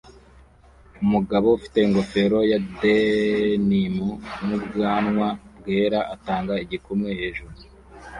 Umugabo ufite ingofero ya denim n'ubwanwa bwera atanga igikumwe hejuru